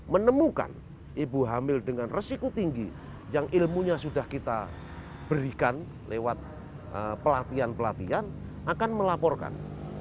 menemukan ibu hamil dengan resiko tinggi yang ilmunya sudah kita berikan lewat pelatihan pelatihan akan melaporkan